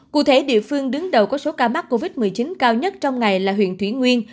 cụ thể địa phương đứng đầu có số ca mắc covid một mươi chín cao nhất trong ngày là huyện thủy nguyên